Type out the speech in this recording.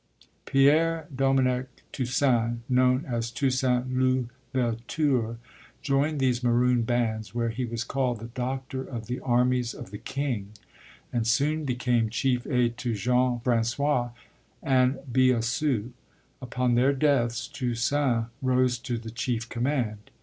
Pierre Dominic Toussaint, known as Toussaint L'Ouverture, joined these Maroon bands, where he was called "the doctor of the armies of the king," and soon became chief aid to Jean François and Biassou. Upon their deaths Toussaint rose to the chief command.